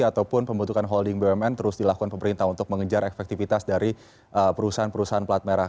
ataupun pembentukan holding bumn terus dilakukan pemerintah untuk mengejar efektivitas dari perusahaan perusahaan pelat merah